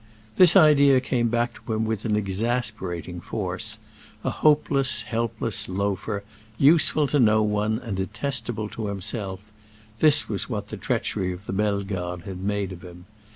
This idea came back to him with an exasperating force. A hopeless, helpless loafer, useful to no one and detestable to himself—this was what the treachery of the Bellegardes had made of him.